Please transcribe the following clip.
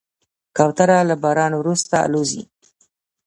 کوتره له باران وروسته الوزي.